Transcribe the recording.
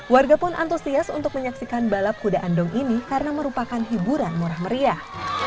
warga pun antusias untuk menyaksikan balap kuda andong ini karena merupakan hiburan murah meriah